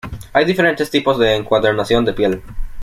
Hay diferentes tipos de encuadernación en piel.